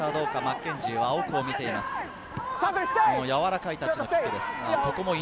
やわらかいタッチのキックです。